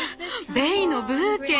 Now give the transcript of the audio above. ベイのブーケ。